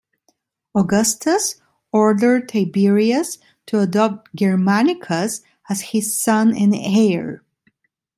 Augustus ordered Tiberius to adopt Germanicus as his son and heir.